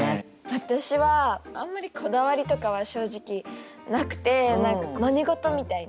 私はあんまりこだわりとかは正直なくて何かマネごとみたいな。